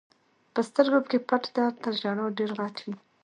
په سترګو کې پټ درد تر ژړا ډېر غټ وي.